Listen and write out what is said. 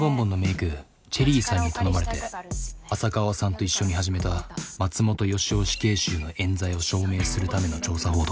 クチェリーさんに頼まれて浅川さんと一緒に始めた松本良夫死刑囚のえん罪を証明するための調査報道。